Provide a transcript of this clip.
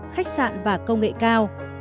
khách sạn và công nghệ công nghiệp